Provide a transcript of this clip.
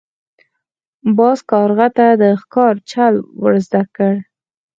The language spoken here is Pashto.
باز کارغه ته د ښکار چل ور زده کړ.